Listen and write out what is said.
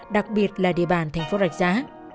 đặc biệt là địa bàn thành phố rạch giá